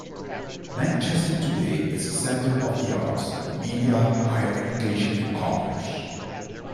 Manchester today is a centre of the arts, the media, higher education and commerce.